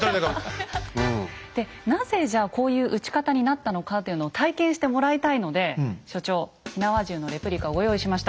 でなぜじゃこういう撃ち方になったのかというのを体験してもらいたいので所長火縄銃のレプリカをご用意しました。